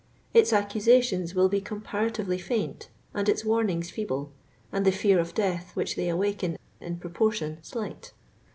Its accusations will be comparatively faint and its warnings feeble, and the fear of death which they awaken in proportion slight.